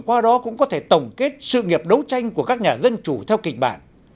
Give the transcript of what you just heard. qua đó cũng có thể tổng kết sự nghiệp đấu tranh của các nhà dân chủ theo kịch bản